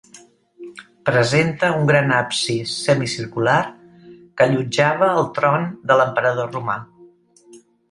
Presenta un gran absis semicircular, que allotjava el tron de l'emperador romà.